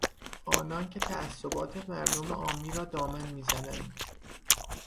آنان که تعصبات مردم عامی را دامن میزنند